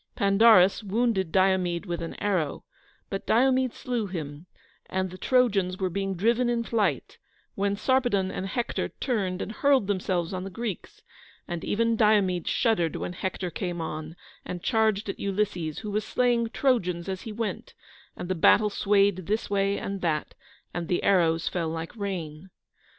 Pandarus wounded Diomede with an arrow, but Diomede slew him, and the Trojans were being driven in flight, when Sarpedon and Hector turned and hurled themselves on the Greeks; and even Diomede shuddered when Hector came on, and charged at Ulysses, who was slaying Trojans as he went, and the battle swayed this way and that, and the arrows fell like rain.